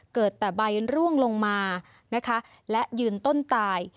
เกิดแต่ใบร่วงลงมานะคะและยืนต้นตาย